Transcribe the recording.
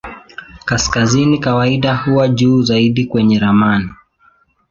Kaskazini kawaida huwa juu zaidi kwenye ramani.